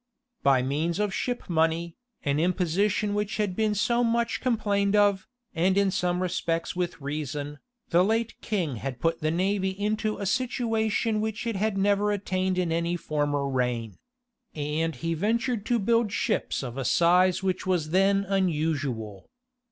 By means of ship money, an imposition which had been so much complained of, and in some respects with reason, the late king had put the navy into a situation which it had never attained in any former reign; and he ventured to build ships of a size which was then unusual.